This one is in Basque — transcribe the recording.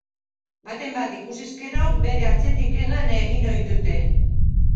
Baten bat ikusiz gero, bere atzetik hegan egin ohi dute.